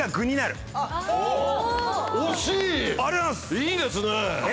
いいですね。